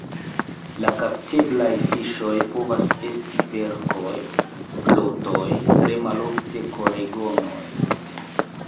La kapteblaj fiŝoj povas esti perkoj, plotoj, tre malofte koregonoj.